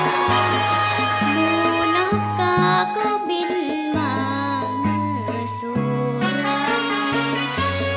หมู่นักกาก็บินมามือสุริยนต์